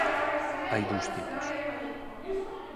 Hai dous tipos.